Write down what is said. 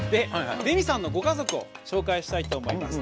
レミさんのご家族を紹介したいと思います。